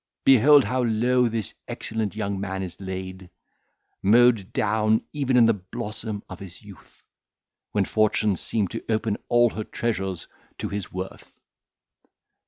behold how low this excellent young man is laid! mowed down even in the blossom of his youth, when fortune seemed to open all her treasures to his worth!"